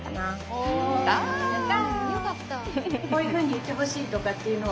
おやった！